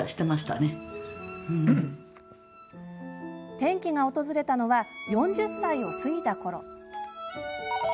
転機が訪れたのは４０歳を過ぎたころ。